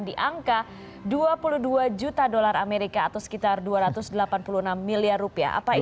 di angka dua puluh dua juta dolar amerika atau sekitar dua ratus delapan puluh enam miliar rupiah